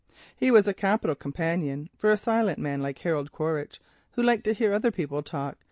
He made a capital companion for a silent man like Harold Quaritch who liked to hear other people talk.